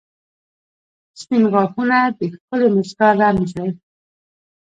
• سپین غاښونه د ښکلې مسکا رمز دی.